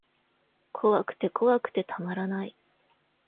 怖くて怖くてたまらない